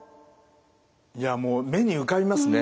いやもう目に浮かびますね。